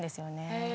へえ。